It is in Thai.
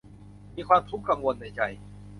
มีความทุกข์กังวลในใจ